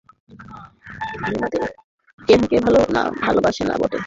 বিনোদিনীকে কেহই ভালোবাসে না বটে!